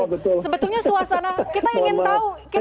sebetulnya suasana kita ingin tahu